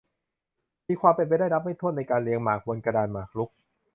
มีความเป็นไปได้นับไม่ถ้วน ในการเรียงหมากบนกระดานหมากรุก